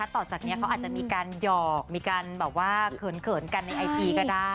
ต่อจากนี้เขาอาจจะมีการหยอกมีการแบบว่าเขินกันในไอจีก็ได้